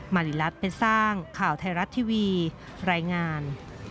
ริรัตนเป็นสร้างข่าวไทยรัฐทีวีรายงาน